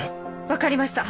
分かりました。